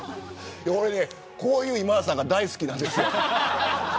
俺はこういう今田さんが大好きなんです。